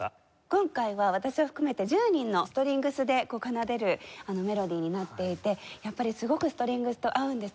今回は私を含めて１０人のストリングスで奏でるメロディーになっていてやっぱりすごくストリングスと合うんですよね